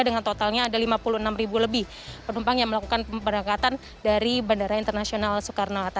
dengan totalnya ada lima puluh enam ribu lebih penumpang yang melakukan pemberangkatan dari bandara internasional soekarno hatta